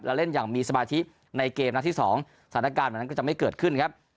แล้วเล่นอย่างมีสมาธิในเกมส์นะที่สองสถานการณ์เหมือนกันก็จะไม่เกิดขึ้นครับ